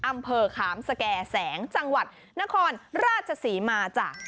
อำเภอขามสแก่แสงจังหวัดนครราชศรีมาจ้ะ